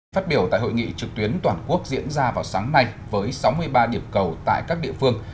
phát biểu tại hội nghị trực tuyến toàn quốc diễn ra vào sáng nay với sáu mươi ba điểm cầu tại các địa phương